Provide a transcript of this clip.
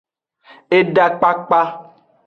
Eda kpakpa.